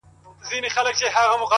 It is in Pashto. د تجربې ارزښت له عمله معلومېږي